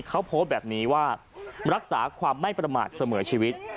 เขาโพสต์แบบนี้ว่ารักษาความไม่ประมาทเสมอชีวิต